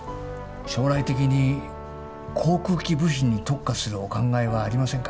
将来的に航空機部品に特化するお考えはありませんか？